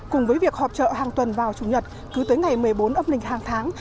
cùng với việc họp chợ hàng tuần vào chủ nhật cứ tới ngày một mươi bốn âm lịch hàng tháng